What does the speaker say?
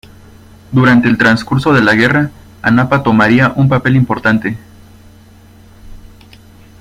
Durante el transcurso de la guerra, Anapa tomaría un papel importante.